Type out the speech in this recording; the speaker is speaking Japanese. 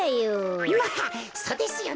まっそうですよね。